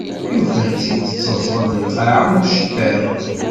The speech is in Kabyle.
Yufa-tt-in teẓẓel di lqaɛa am uceṭṭiḍ.